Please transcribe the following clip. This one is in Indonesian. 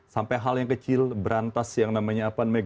sampai hal yang kecil berantas yang namanya apa negatif